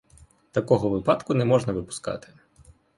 Такого випадку не можна випускати.